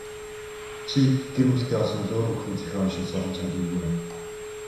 Чи гэр бүлтэй болсон бол өөр хүүхний захиа уншин суух нь чамд ч эвгүй.